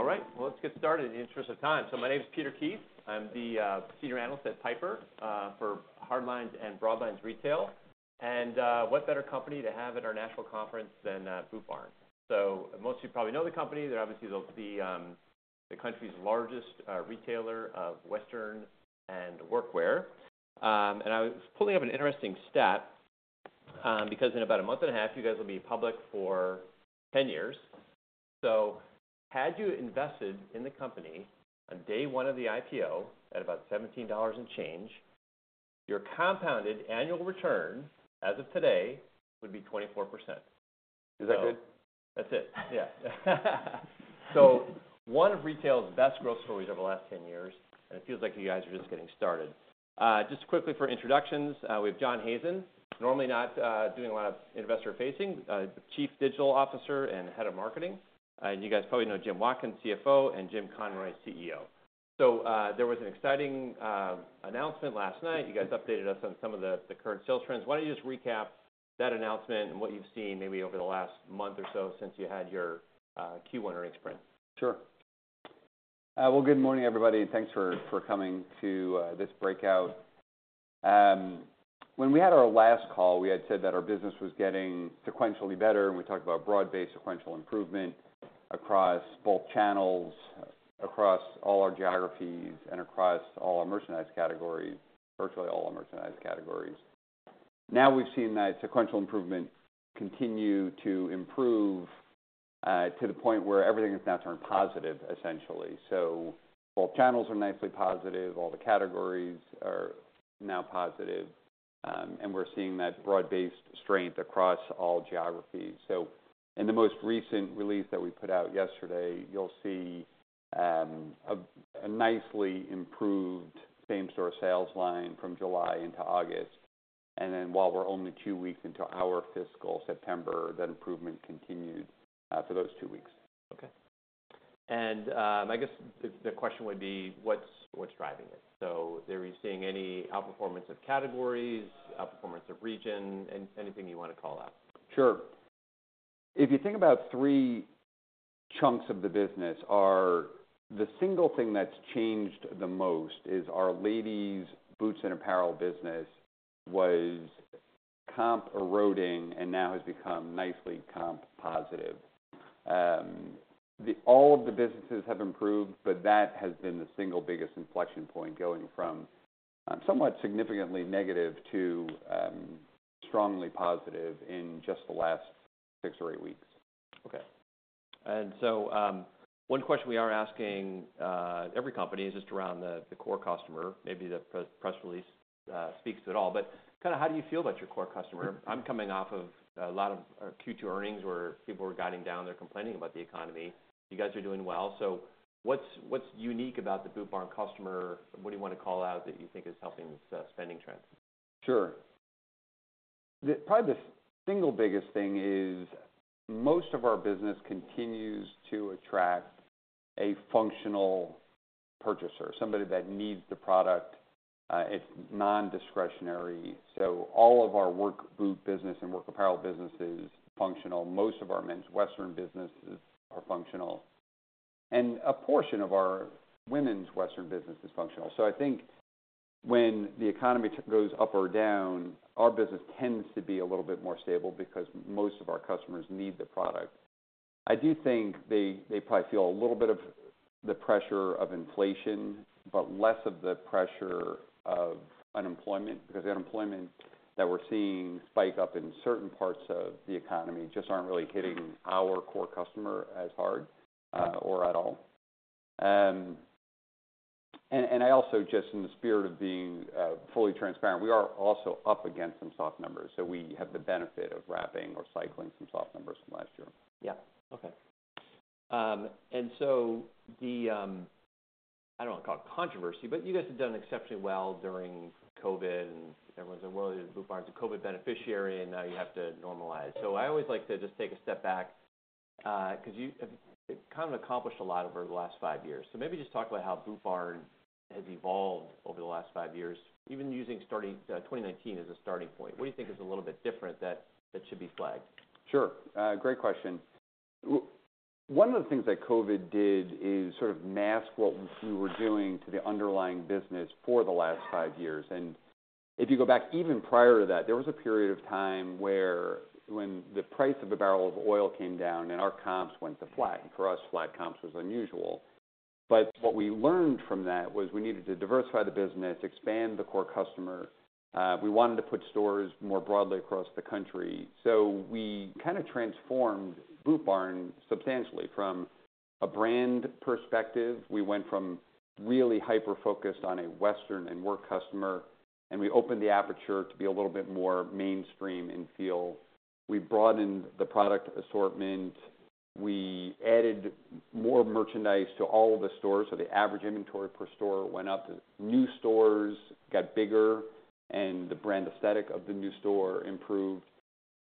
All right, well, let's get started in the interest of time. So my name is Peter Keith. I'm the senior analyst at Piper for Hardlines and Broadlines retail. And what better company to have at our national conference than Boot Barn? So most of you probably know the company. They're obviously the country's largest retailer of Western and workwear. And I was pulling up an interesting stat because in about a month and a half, you guys will be public for 10 years. So had you invested in the company on day one of the IPO at about $17 and change, your compounded annual return as of today would be 24%. Is that good? That's it. Yeah. So one of retail's best growth stories over the last ten years, and it feels like you guys are just getting started. Just quickly for introductions, we have John Hazen, normally not doing a lot of investor-facing, Chief Digital Officer and Head of Marketing. You guys probably know Jim Watkins, CFO, and Jim Conroy, CEO. So, there was an exciting announcement last night. You guys updated us on some of the current sales trends. Why don't you just recap that announcement and what you've seen maybe over the last month or so since you had your Q1 earnings print? Sure. Well, good morning, everybody, and thanks for coming to this breakout. When we had our last call, we had said that our business was getting sequentially better, and we talked about broad-based sequential improvement across both channels, across all our geographies, and across all our merchandise categories, virtually all our merchandise categories. Now, we've seen that sequential improvement continue to improve to the point where everything has now turned positive, essentially. Both channels are nicely positive, all the categories are now positive, and we're seeing that broad-based strength across all geographies. In the most recent release that we put out yesterday, you'll see a nicely improved same-store sales line from July into August, and then while we're only two weeks into our fiscal September, that improvement continued for those two weeks. Okay. And, I guess the question would be: what's driving it? So are you seeing any outperformance of categories, outperformance of region, anything you want to call out? Sure. If you think about three chunks of the business, the single thing that's changed the most is our ladies' boots and apparel business was comp eroding and now has become nicely comp positive. All of the businesses have improved, but that has been the single biggest inflection point, going from somewhat significantly negative to strongly positive in just the last six or eight weeks. Okay. And so, one question we are asking every company is just around the core customer. Maybe the press release speaks to it all, but kind of how do you feel about your core customer? I'm coming off of a lot of Q2 earnings, where people were guiding down. They're complaining about the economy. You guys are doing well. So what's unique about the Boot Barn customer? What do you want to call out that you think is helping the spending trends? Sure. Probably the single biggest thing is most of our business continues to attract a functional purchaser, somebody that needs the product, it's nondiscretionary. So all of our work boot business and work apparel business is functional. Most of our men's Western businesses are functional, and a portion of our women's Western business is functional. So I think when the economy goes up or down, our business tends to be a little bit more stable because most of our customers need the product. I do think they probably feel a little bit of the pressure of inflation, but less of the pressure of unemployment, because the unemployment that we're seeing spike up in certain parts of the economy just aren't really hitting our core customer as hard, or at all. And I also, just in the spirit of being fully transparent, we are also up against some soft numbers, so we have the benefit of wrapping or cycling some soft numbers from last year. Yeah. Okay. And so the, I don't want to call it controversy, but you guys have done exceptionally well during COVID, and everyone said, "Well, Boot Barn's a COVID beneficiary, and now you have to normalize." So I always like to just take a step back, because you have kind of accomplished a lot over the last five years. So maybe just talk about how Boot Barn has evolved over the last five years, even using twenty nineteen as a starting point. What do you think is a little bit different that should be flagged? Sure. Great question. One of the things that COVID did is sort of mask what we were doing to the underlying business for the last five years. And if you go back, even prior to that, there was a period of time where when the price of a barrel of oil came down and our comps went to flat, and for us, flat comps was unusual. But what we learned from that was we needed to diversify the business, expand the core customer. We wanted to put stores more broadly across the country. So we kind of transformed Boot Barn substantially. From a brand perspective, we went from really hyper-focused on a Western and work customer, and we opened the aperture to be a little bit more mainstream in feel. We broadened the product assortment. We added more merchandise to all of the stores, so the average inventory per store went up. The new stores got bigger, and the brand aesthetic of the new store improved.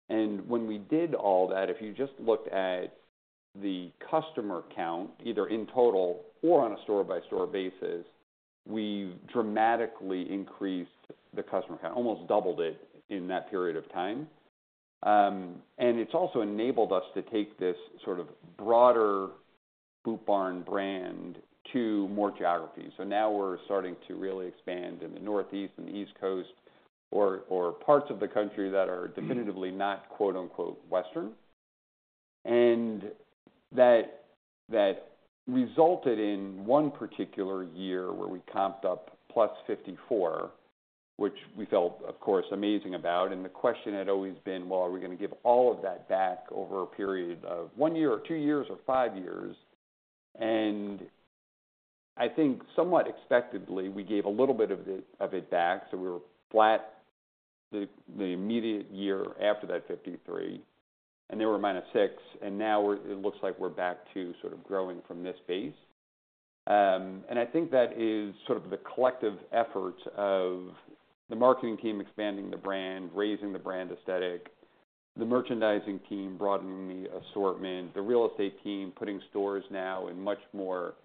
When we did all that, if you just looked at the customer count, either in total or on a store-by-store basis, we dramatically increased the customer count, almost doubled it in that period of time, and it's also enabled us to take this sort of broader Boot Barn brand to more geographies. Now we're starting to really expand in the Northeast and the East Coast, or parts of the country that are definitively not, quote-unquote, "Western." That resulted in one particular year where we comped up +54%, which we felt, of course, amazing about. The question had always been, well, are we gonna give all of that back over a period of one year or two years or five years? I think somewhat expectedly, we gave a little bit of it back, so we were flat the immediate year after that 53, and then we were minus six, and now we're, it looks like we're back to sort of growing from this base. I think that is sort of the collective efforts of the marketing team expanding the brand, raising the brand aesthetic, the merchandising team broadening the assortment, the real estate team putting stores now in much more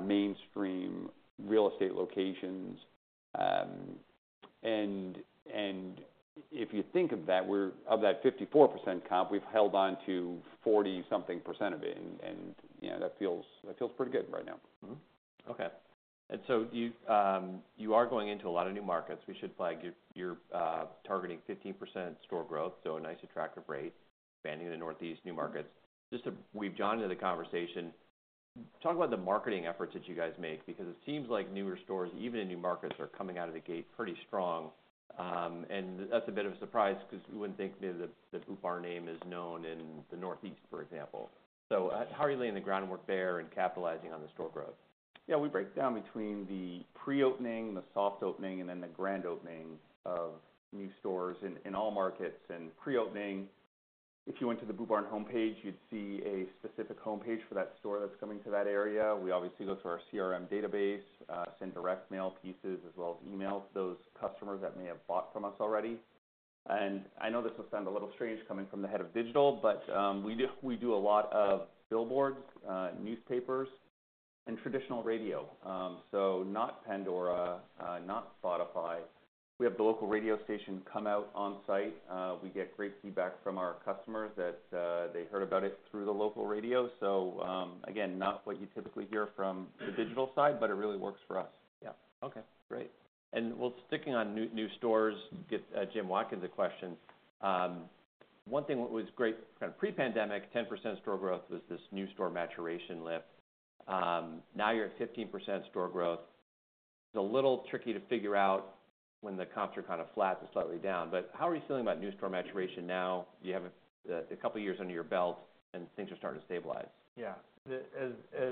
mainstream real estate locations. If you think of that, we're of that 54% comp, we've held on to 40-something% of it, and you know, that feels pretty good right now. And so you are going into a lot of new markets. We should flag you are targeting 15% store growth, so a nice, attractive rate, expanding in the Northeast, new markets. Just to weave John into the conversation, talk about the marketing efforts that you guys make, because it seems like newer stores, even in new markets, are coming out of the gate pretty strong. And that's a bit of a surprise because you wouldn't think maybe the Boot Barn name is known in the Northeast, for example. So, how are you laying the groundwork there and capitalizing on the store growth? Yeah, we break down between the pre-opening, the soft opening, and then the grand opening of new stores in all markets. And pre-opening, if you went to the Boot Barn homepage, you'd see a specific homepage for that store that's coming to that area. We obviously go to our CRM database, send direct mail pieces, as well as emails to those customers that may have bought from us already. And I know this will sound a little strange coming from the head of digital, but we do a lot of billboards, newspapers, and traditional radio. So not Pandora, not Spotify. We have the local radio station come out on site. We get great feedback from our customers that they heard about it through the local radio. Again, not what you typically hear from the digital side, but it really works for us. Yeah. Okay, great. And well, sticking on new stores, get Jim Watkins a question. One thing that was great kind of pre-pandemic, 10% store growth was this new store maturation lift. Now you're at 15% store growth. It's a little tricky to figure out when the comps are kind of flat to slightly down, but how are you feeling about new store maturation now that you have a couple of years under your belt and things are starting to stabilize? Yeah. As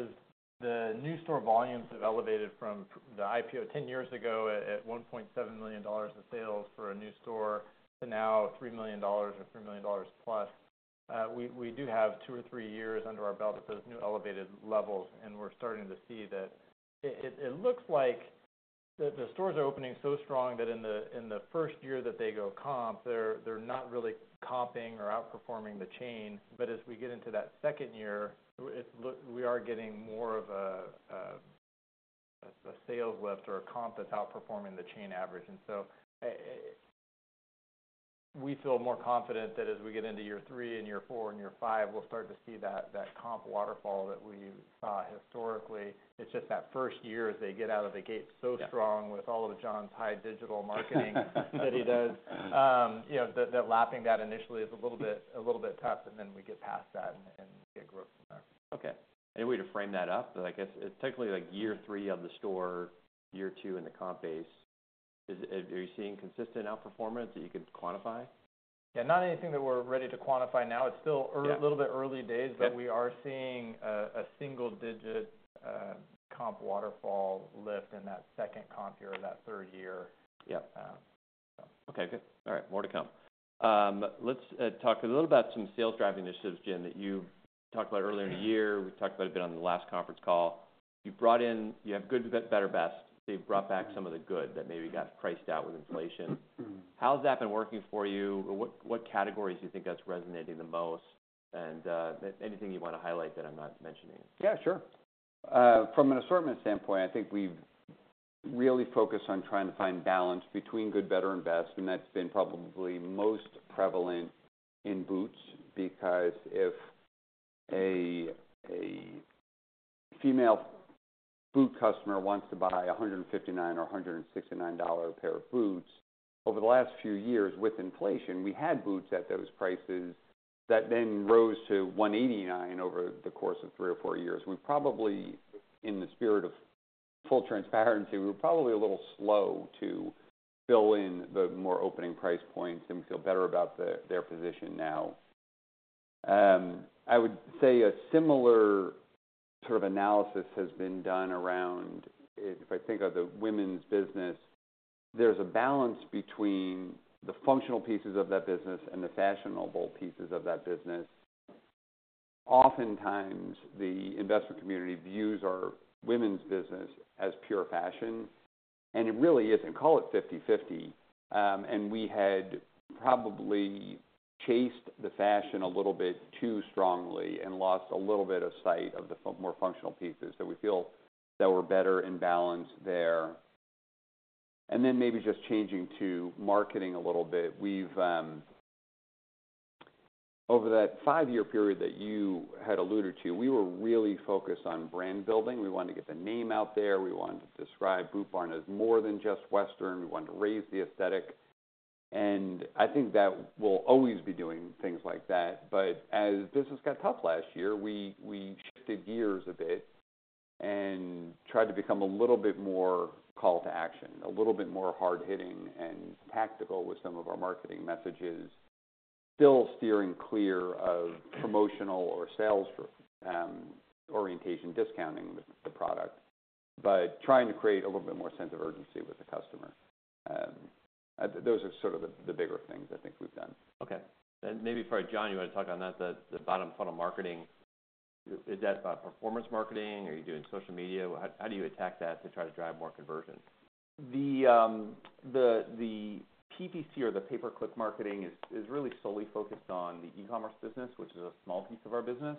the new store volumes have elevated from the IPO ten years ago at $1.7 million in sales for a new store, to now $3 million or $3 million plus, we do have two or three years under our belt at those new elevated levels, and we're starting to see that it looks like the stores are opening so strong that in the first year that they go comp, they're not really comping or outperforming the chain. But as we get into that second year, we are getting more of a sales lift or a comp that's outperforming the chain average. And so, we feel more confident that as we get into year three and year four and year five, we'll start to see that comp waterfall that we saw historically. It's just that first year, as they get out of the gate so strong- Yeah with all of John's high digital marketing that he does, you know, the lapping that initially is a little bit, a little bit tough, and then we get past that and get growth from there. Okay. Any way to frame that up? Because I guess it's technically like year three of the store, year two in the comp base. Is it, are you seeing consistent outperformance that you could quantify? Yeah, not anything that we're ready to quantify now. It's still ear Yeah a little bit early days. Yeah. But we are seeing a single digit comp waterfall lift in that second comp year or that third year. Yeah. Um, so. Okay, good. All right, more to come. Let's talk a little about some sales driving initiatives, Jim, that you talked about earlier in the year. We talked about a bit on the last conference call. You brought in. You have good, better, best. You've brought back some of the good that maybe got priced out with inflation. How has that been working for you? What categories do you think that's resonating the most? And anything you want to highlight that I'm not mentioning? Yeah, sure. From an assortment standpoint, I think we've really focused on trying to find balance between good, better, and best, and that's been probably most prevalent in boots because if a female boot customer wants to buy a $159 or $169 pair of boots, over the last few years, with inflation, we had boots at those prices that then rose to $189 over the course of three or four years. We probably, in the spirit of full transparency, we were probably a little slow to fill in the more opening price points, and we feel better about their position now. I would say a similar sort of analysis has been done around. If I think of the women's business, there's a balance between the functional pieces of that business and the fashionable pieces of that business. Oftentimes, the investment community views our women's business as pure fashion, and it really isn't. Call it fifty/fifty. And we had probably chased the fashion a little bit too strongly and lost a little bit of sight of the more functional pieces. So we feel that we're better in balance there. And then maybe just changing to marketing a little bit. We've over that five-year period that you had alluded to, we were really focused on brand building. We wanted to get the name out there. We wanted to describe Boot Barn as more than just Western. We wanted to raise the aesthetic, and I think that we'll always be doing things like that. But as business got tough last year, we shifted gears a bit and tried to become a little bit more call to action, a little bit more hard-hitting and tactical with some of our marketing messages. Still steering clear of promotional or sales orientation, discounting the product, but trying to create a little bit more sense of urgency with the customer. Those are sort of the bigger things I think we've done. Okay. And maybe probably, John, you want to talk on that, the bottom funnel marketing. Is that about performance marketing? Are you doing social media? How do you attack that to try to drive more conversions? The PPC or the pay-per-click marketing is really solely focused on the e-commerce business, which is a small piece of our business.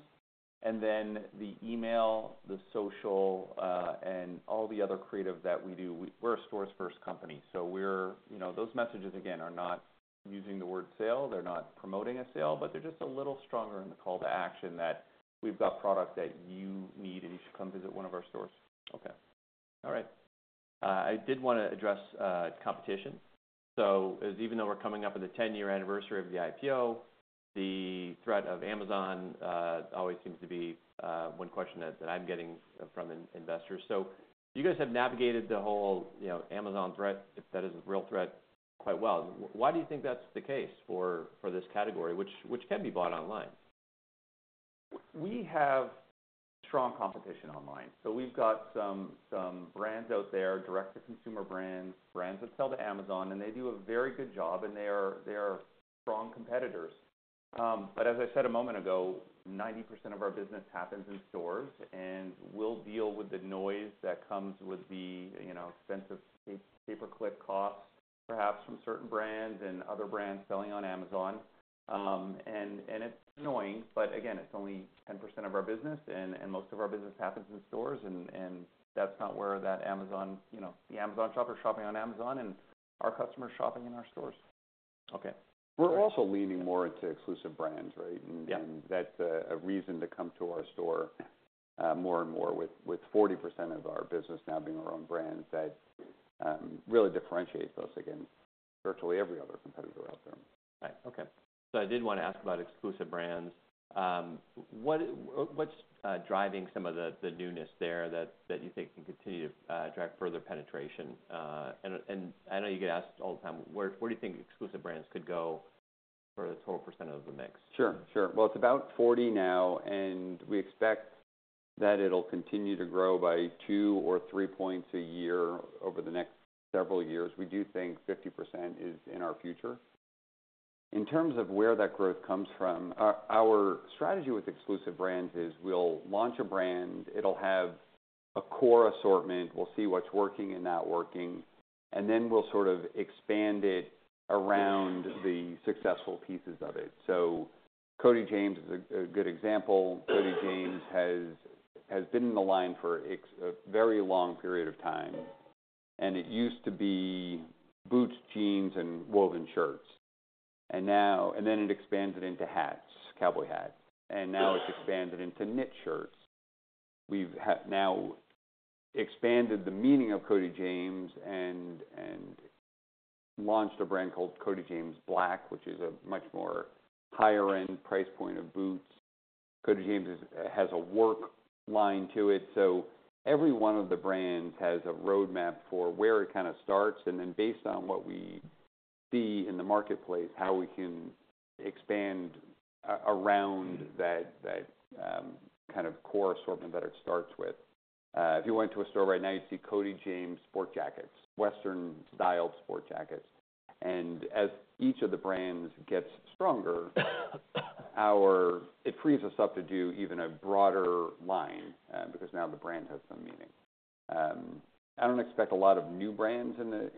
And then the email, the social, and all the other creative that we do, we're a stores first company, so we're, you know, those messages, again, are not using the word sale. They're not promoting a sale, but they're just a little stronger in the call to action, that we've got product that you need, and you should come visit one of our stores. Okay. All right. I did want to address competition, so even though we're coming up on the 10-year anniversary of the IPO, the threat of Amazon always seems to be one question that I'm getting from investors, so you guys have navigated the whole, you know, Amazon threat, if that is a real threat, quite well. Why do you think that's the case for this category, which can be bought online? We have strong competition online, so we've got some brands out there, direct-to-consumer brands, brands that sell to Amazon, and they do a very good job, and they are strong competitors. But as I said a moment ago, 90% of our business happens in stores, and we'll deal with the noise that comes with the, you know, expensive pay-per-click costs, perhaps from certain brands and other brands selling on Amazon. And it's annoying, but again, it's only 10% of our business, and most of our business happens in stores. And that's not where that Amazon, you know, the Amazon shopper shopping on Amazon and our customers are shopping in our stores. Okay. We're also leaning more into exclusive brands, right? Yeah. And that's a reason to come to our store more and more, with 40% of our business now being our own brands, that really differentiates us against virtually every other competitor out there. Right. Okay. So I did want to ask about exclusive brands. What’s driving some of the newness there that you think can continue to drive further penetration? And I know you get asked all the time, where do you think exclusive brands could go for the total percent of the mix? Sure, sure. It's about 40 now, and we expect that it'll continue to grow by 2 or 3 points a year over the next several years. We do think 50% is in our future. In terms of where that growth comes from, our strategy with exclusive brands is we'll launch a brand, it'll have a core assortment, we'll see what's working and not working, and then we'll sort of expand it around the successful pieces of it. Cody James is a good example. Cody James has been in the line for a very long period of time, and it used to be boots, jeans, and woven shirts. And now and then it expanded into hats, cowboy hats, and now it's expanded into knit shirts. We've now expanded the meaning of Cody James and launched a brand called Cody James Black, which is a much more higher end price point of boots. Cody James has a work line to it. So every one of the brands has a roadmap for where it kind of starts, and then, based on what we see in the marketplace, how we can expand around that kind of core assortment that it starts with. If you went to a store right now, you'd see Cody James sport jackets, Western-styled sport jackets. And as each of the brands gets stronger, our. It frees us up to do even a broader line, because now the brand has some meaning. I don't expect a lot of new brands in the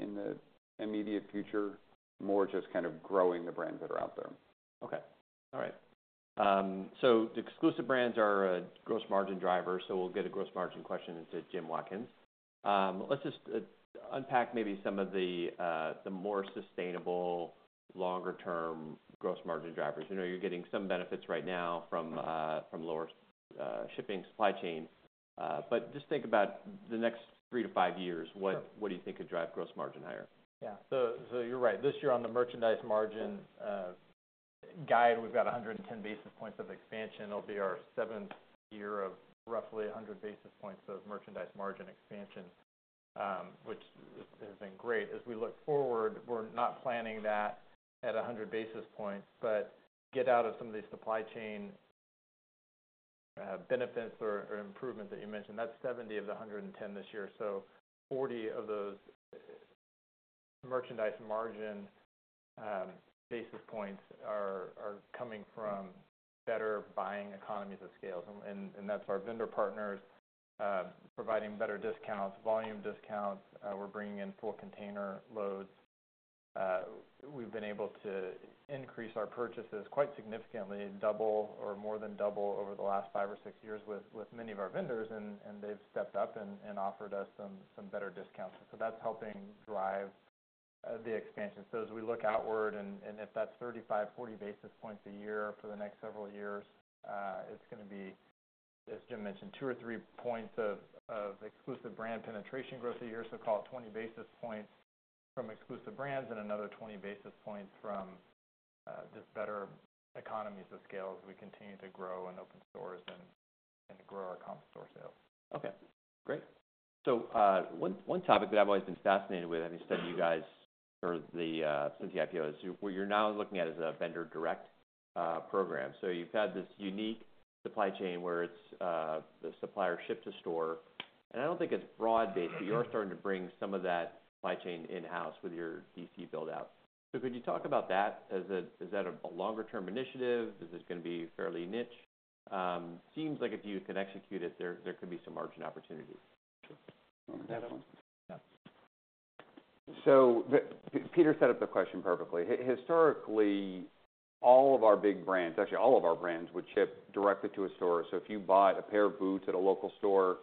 immediate future, more just kind of growing the brands that are out there. Okay. All right, so the exclusive brands are a gross margin driver, so we'll get a gross margin question into Jim Watkins. Let's just unpack maybe some of the more sustainable, longer term gross margin drivers. I know you're getting some benefits right now from lower shipping supply chains, but just think about the next three to five years. Sure. What, what do you think could drive gross margin higher? Yeah, so you're right. This year, on the merchandise margin guide, we've got 110 basis points of expansion. It'll be our seventh year of roughly 100 basis points of merchandise margin expansion, which has been great. As we look forward, we're not planning that at 100 basis points, but get out of some of the supply chain benefits or improvement that you mentioned. That's 70 of the 110 this year, so 40 of those merchandise margin basis points are coming from better buying economies of scale. And that's our vendor partners providing better discounts, volume discounts. We're bringing in full container loads. we've been able to increase our purchases quite significantly, double or more than double over the last five or six years with many of our vendors, and they've stepped up and offered us some better discounts. So that's helping drive the expansion. So as we look outward and if that's 35-40 basis points a year for the next several years, it's gonna be, as Jim mentioned, two or three points of exclusive brand penetration growth a year. So call it 20 basis points from exclusive brands and another 20 basis points from just better economies of scale as we continue to grow and open stores and grow our comp store sales. Okay, great. One topic that I've always been fascinated with, and I said you guys are the since the IPO, is what you're now looking at is a vendor direct program. So you've had this unique supply chain where it's the supplier ship to store, and I don't think it's broad-based, but you are starting to bring some of that supply chain in-house with your DC build out. Could you talk about that? Is that a longer term initiative? Is this gonna be fairly niche? Seems like if you can execute it, there could be some margin opportunities. Sure. Yeah. Peter set up the question perfectly. Historically, all of our big brands, actually, all of our brands, would ship directly to a store. So if you bought a pair of boots at a local store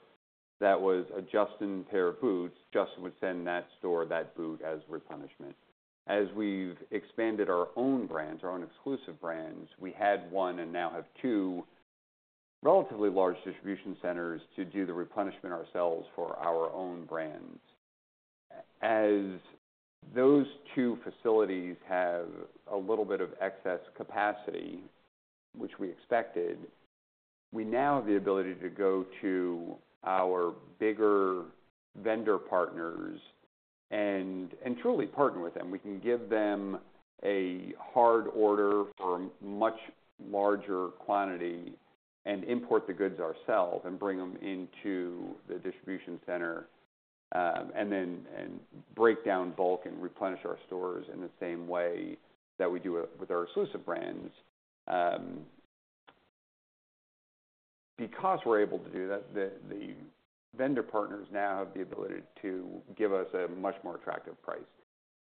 that was a Justin pair of boots, Justin would send that store that boot as replenishment. As we've expanded our own brands, our own exclusive brands, we had one and now have two relatively large distribution centers to do the replenishment ourselves for our own brands. As those two facilities have a little bit of excess capacity, which we expected, we now have the ability to go to our bigger vendor partners and truly partner with them. We can give them a hard order for a much larger quantity and import the goods ourselves and bring them into the distribution center, and break down bulk and replenish our stores in the same way that we do it with our exclusive brands. Because we're able to do that, the vendor partners now have the ability to give us a much more attractive price.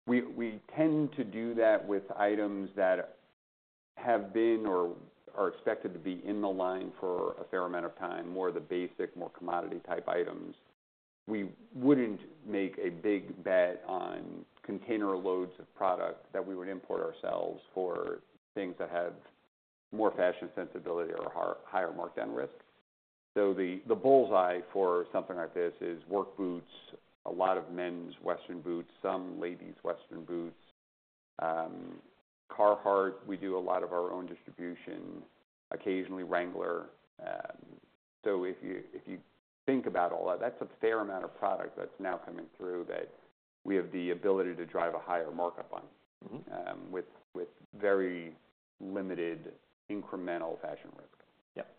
We tend to do that with items that have been or are expected to be in the line for a fair amount of time, more the basic, more commodity-type items. We wouldn't make a big bet on container loads of product that we would import ourselves for things that have more fashion sensibility or higher markdown risk, so the bull's-eye for something like this is work boots, a lot of men's Western boots, some ladies' Western boots. Carhartt, we do a lot of our own distribution, occasionally Wrangler, so if you think about all that, that's a fair amount of product that's now coming through that we have the ability to drive a higher markup on- Mm-hmm with very limited incremental fashion risk. Yep.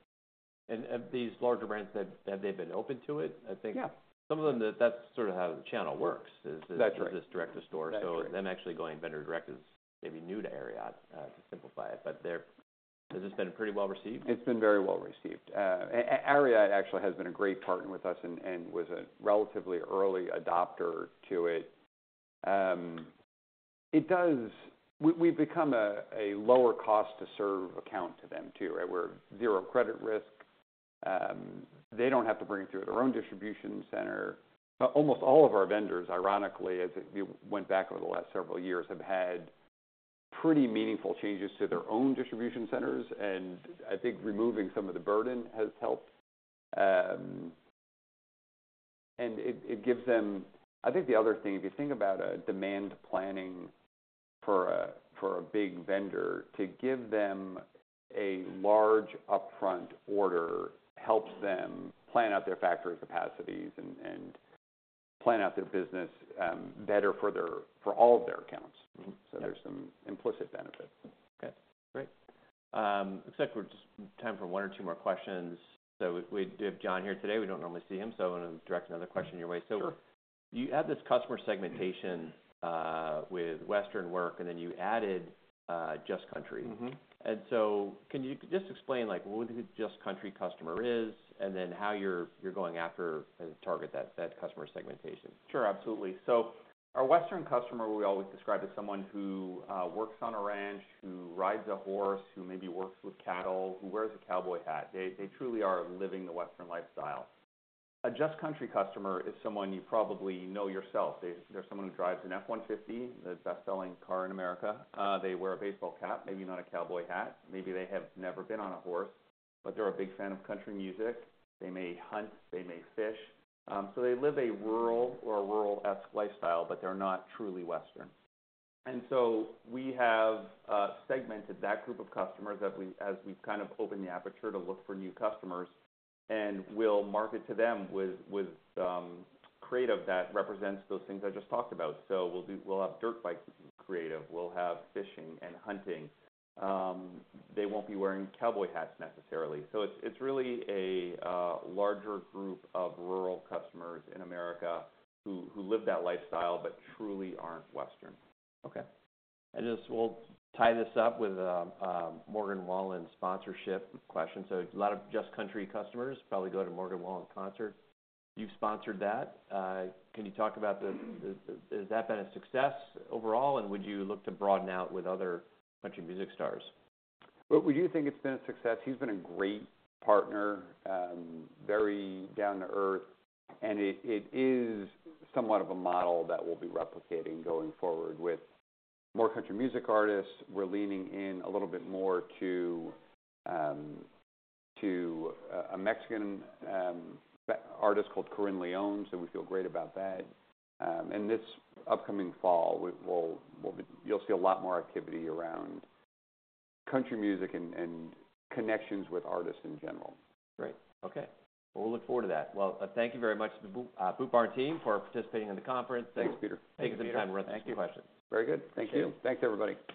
And these larger brands, have they been open to it? I think- Yeah some of them, That's sort of how the channel works, is That's right this direct to store. That's right. So them actually going vendor direct is maybe new to Ariat, to simplify it, but has this been pretty well received? It's been very well received. Ariat actually has been a great partner with us and was a relatively early adopter to it. It does. We, we've become a lower cost to serve account to them, too, right? We're zero credit risk. They don't have to bring it through their own distribution center. Almost all of our vendors, ironically, as we went back over the last several years, have had pretty meaningful changes to their own distribution centers, and I think removing some of the burden has helped. And it gives them. I think the other thing, if you think about demand planning for a big vendor, to give them a large upfront order helps them plan out their factory capacities and plan out their business better for all of their accounts. Mm-hmm. So there's some implicit benefits. Okay, great. Looks like we're just in time for one or two more questions. So we have John here today. We don't normally see him, so I'm gonna direct another question your way. Sure. You had this customer segmentation with Western Work, and then you added Just Country. Mm-hmm. And so can you just explain, like, what a Just Country customer is, and then how you're going after and target that customer segmentation? Sure, absolutely. So our Western customer, we always describe as someone who works on a ranch, who rides a horse, who maybe works with cattle, who wears a cowboy hat. They truly are living the Western lifestyle. A Just Country customer is someone you probably know yourself. They're someone who drives an F-150, the best-selling car in America. They wear a baseball cap, maybe not a cowboy hat. Maybe they have never been on a horse, but they're a big fan of country music. They may hunt, they may fish. So they live a rural or a rural-esque lifestyle, but they're not truly Western. And so we have segmented that group of customers as we've kind of opened the aperture to look for new customers, and we'll market to them with creative that represents those things I just talked about. So we'll have dirt bikes creative, we'll have fishing and hunting. They won't be wearing cowboy hats necessarily. So it's really a larger group of rural customers in America who live that lifestyle but truly aren't Western. Okay. We'll tie this up with a Morgan Wallen sponsorship question, so a lot of Just Country customers probably go to Morgan Wallen concert. You've sponsored that. Can you talk about. Has that been a success overall, and would you look to broaden out with other country music stars? We do think it's been a success. He's been a great partner, very down-to-earth, and it is somewhat of a model that we'll be replicating going forward with more country music artists. We're leaning in a little bit more to a Mexican artist called Carín León, so we feel great about that. And this upcoming fall, you'll see a lot more activity around country music and connections with artists in general. Great. Okay. Well, we'll look forward to that. Well, thank you very much to the Boot Barn team for participating in the conference. Thanks, Peter. Take some time. Thank you for the question. Very good. Thank you. Thanks, everybody.